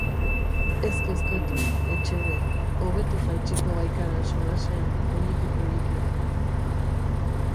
Ez kezkatu, Etxebe, hobeto jaitsiko baikara solasean poliki-poliki.